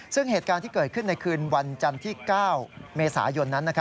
ซึ่งเหตุการณ์ที่เกิดขึ้นในคืนวันจันทร์ที่๙เมษายนนั้น